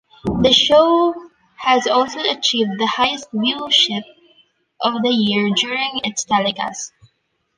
The show has also achieved the highest viewership of the year during its telecast.